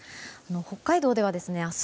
北海道では明日